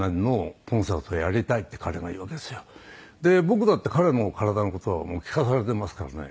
僕だって彼の体の事はもう聞かされてますからね。